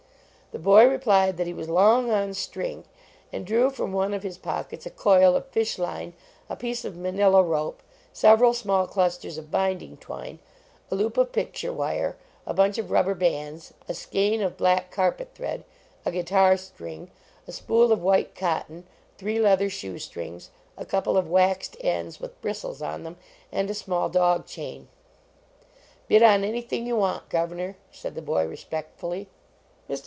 The boy replied that he was long on string, and drew from one of his pockets a coil of fish line, a piece of manilla rope, several small clusters of binding twine, a loop of picture wire, a bunch of rubber bands, a skein of black carpet thread, a guitar string, a spool of white cotton, three leather shoe strings, a couple of waxed ends, with bristles on them, and a small dog chain. " Bid on anything you want, governor," said the boy, respectfully. Mr.